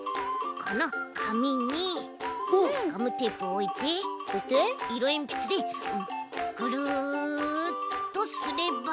このかみにガムテープをおいていろえんぴつでぐるっとすれば。